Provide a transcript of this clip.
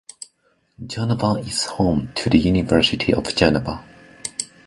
Geneva is home to the University of Geneva.